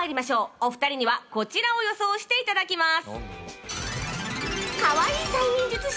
お二人にはこちらを予想して頂きます。